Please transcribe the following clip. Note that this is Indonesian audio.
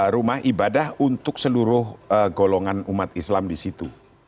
rumah ibadah untuk seluruh golongan umat islam disitu